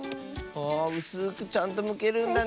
あうすくちゃんとむけるんだね。